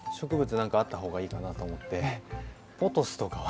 何かあった方がいいかなと思ってポトスとかは。